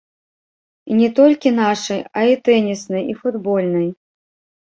І не толькі нашай, а і тэніснай, і футбольнай.